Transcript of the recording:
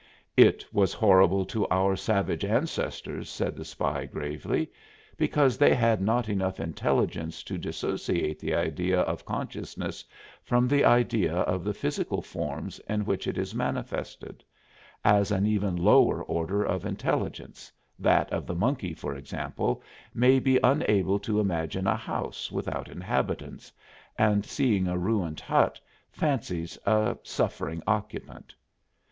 "It was horrible to our savage ancestors," said the spy, gravely, "because they had not enough intelligence to dissociate the idea of consciousness from the idea of the physical forms in which it is manifested as an even lower order of intelligence, that of the monkey, for example, may be unable to imagine a house without inhabitants, and seeing a ruined hut fancies a suffering occupant.